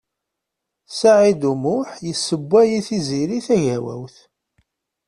Saɛid U Muḥ yessewway i Tiziri Tagawawt.